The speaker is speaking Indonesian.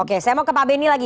oke saya mau ke pak benny lagi